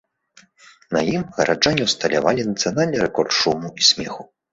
На ім гараджане ўсталявалі нацыянальны рэкорд шуму і смеху.